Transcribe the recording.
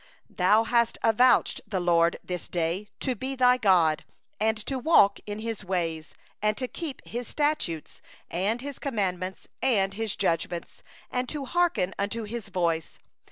17Thou hast avouched the LORD this day to be thy God, and that thou wouldest walk in His ways, and keep His statutes, and His commandments, and His ordinances, and hearken unto His voice.